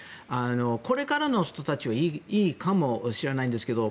これからの人たちはいいかもしれないんですけど。